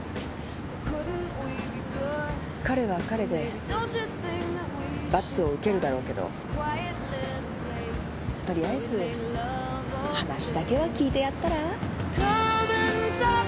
彼は彼で罰を受けるだろうけどとりあえず話だけは聞いてやったら？